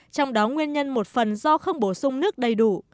trong đó nguyên nhân một phần do không bổ sung nước đầy đủ